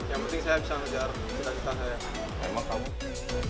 yang penting saya bisa melakukan